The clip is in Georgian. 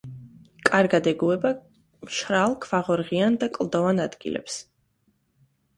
კარგად ეგუება მშრალ, ქვაღორღიან და კლდოვან ადგილებს.